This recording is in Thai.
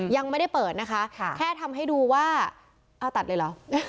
ยังไม่ได้เปิดนะคะแค่ทำให้ดูว่าเอาตัดเลยเหรอ